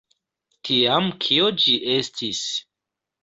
Tiam kio ĝi estis?